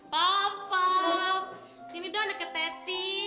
popo sini dong deket teti